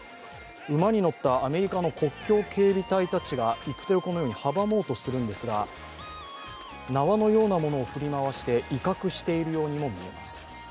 馬に乗ったアメリカの国境警備隊たちが行く手をこのように阻もうとするんですが縄のようなものを振り回して威嚇しているようにも見えます。